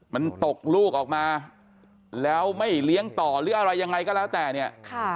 มันตกลูกออกมาแล้วไม่เลี้ยงต่อหรืออะไรยังไงก็แล้วแต่เนี่ย